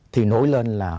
thì nối lên là